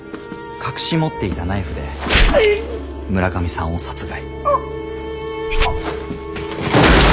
隠し持っていたナイフで村上さんを殺害。